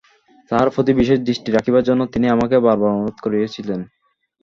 তাহার প্রতি বিশেষ দৃষ্টি রাখিবার জন্য তিনি আমাকে বারবার অনুরোধ করিয়াছিলেন।